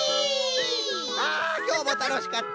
あきょうもたのしかった！